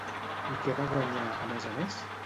I què va guanyar, a més a més?